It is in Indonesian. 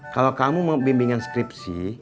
kalau kamu mau bimbingan skripsi